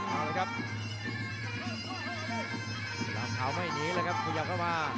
เอาเลยครับด้านสลามขาวไม่หนีเลยครับกุยับเข้ามา